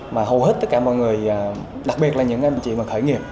mà hầu hết tất cả mọi người đặc biệt là những anh chị mà khởi nghiệp